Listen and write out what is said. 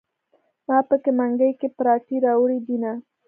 ما په منګي کې پراټې راوړي دینه.